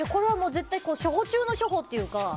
初歩中の初歩というか。